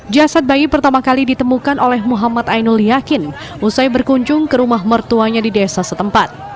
jasad bayi pertama kali ditemukan oleh muhammad ainul yakin usai berkunjung ke rumah mertuanya di desa setempat